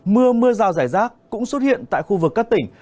mưa mưa rào rải rác cũng xuất hiện tại khu vực các tỉnh